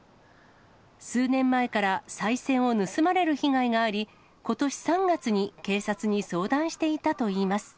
数年前から、さい銭を盗まれる被害があり、ことし３月に警察に相談していたといいます。